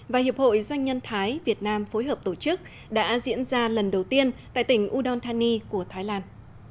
và hiệp hội doanh nhân thái việt nam phối hợp tổ chức đã diễn ra lần đầu tiên tại tỉnh udon thani của thái lan